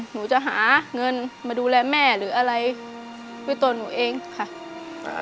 หนูจะหาเงินมาดูแลแม่หรืออะไรด้วยตัวหนูเองค่ะ